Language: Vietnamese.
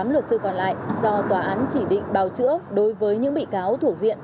tám luật sư còn lại do tòa án chỉ định bào chữa đối với những bị cáo thuộc diện